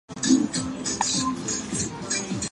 黄花秋海棠是秋海棠科秋海棠属的植物。